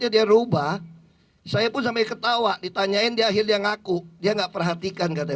ya dia rubah saya pun sampai ketawa ditanyain di akhirnya ngaku dia enggak perhatikan gede